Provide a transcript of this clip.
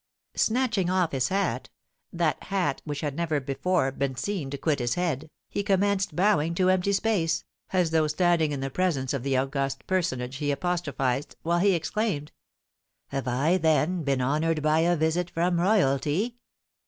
Snatching off his hat, that hat which had never before been seen to quit his head, he commenced bowing to empty space, as though standing in the presence of the august personage he apostrophised, while he exclaimed, "Have I, then, been honoured by a visit from royalty?